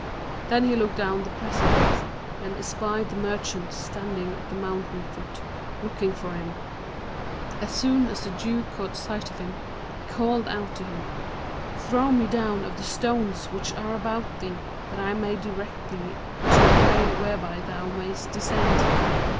Then he looked down the precipice and espied the merchant standing at the mountain foot, looking for him. As soon as the Jew caught sight of him, he called out to him, 'Throw me down of the stones which are about thee, that I may direct thee to a way whereby thou mayst descend.'